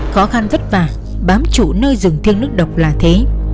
khó khăn vất vả bám trụ nơi rừng thiêng nước độc là thế